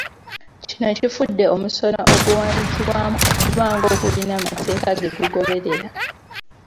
Kino kifudde omusono oguwandiikibwamu okuba ng’ogulina amateeka ge gugoberera.